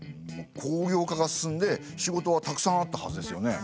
工業化が進んで仕事はたくさんあったはずですよね。